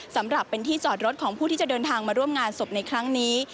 สำหรับเป็นที่จอดรถของผู้ที่จะเดินทางมาร่วมงานศพในครั้งนี้